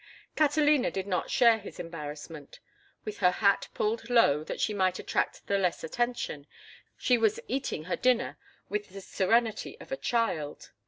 Catalina did not share his embarrassment. With her hat pulled low that she might attract the less attention, she was eating her dinner with the serenity of a child.